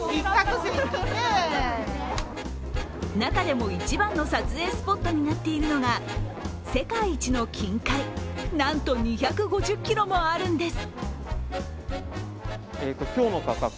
中でも一番の撮影スポットになっているのが世界一の金塊、なんと２５０ｋｇもあるんです。